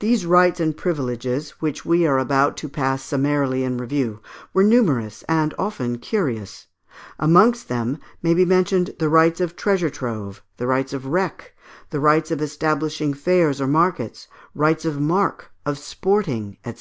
These rights and privileges, which we are about to pass summarily in review, were numerous, and often curious: amongst them may be mentioned the rights of treasure trove, the rights of wreck, the rights of establishing fairs or markets, rights of marque, of sporting, &c.